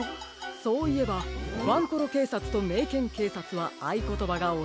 そういえばワンコロけいさつとメイケンけいさつはあいことばがおなじでしたね。